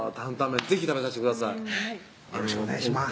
よろしくお願いします